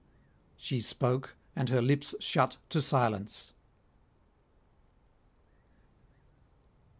She spoke, and her lips shut to silence.